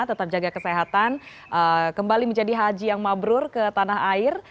tetap jaga kesehatan kembali menjadi haji yang mabrur ke tanah air